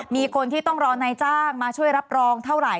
มีคนที่ต้องรอนายจ้างมาช่วยรับรองเท่าไหร่